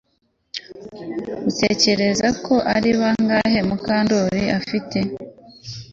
Utekereza ko ari bangahe Mukandoli afite